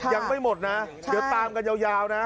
ยังไม่หมดนะเดี๋ยวตามกันยาวนะ